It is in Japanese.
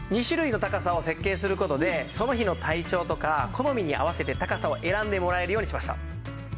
２種類の高さを設計する事でその日の体調とか好みに合わせて高さを選んでもらえるようにしました。